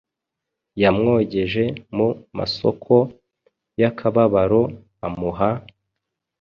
Yamwogeje mu masoko y’akababaro amuha